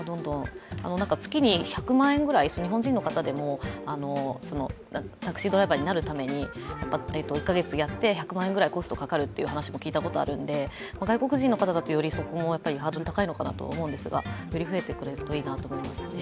月に１００万円ぐらい、日本人のほうでも、タクシードライバーになるために１か月やって１００万円ぐらいコストがかかると聞いたことがあるので、外国人の方だとそこもハードル高いのかなと思うんですがより増えてくれるといいなと思いますね。